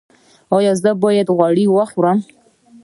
ایا زه باید غوړي وخورم؟